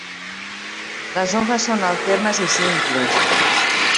Las hojas son alternas y simples.